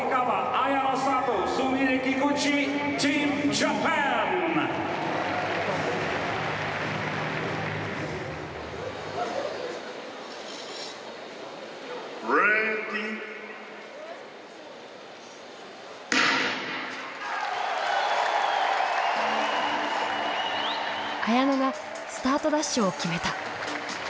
綾乃がスタートダッシュを決めた。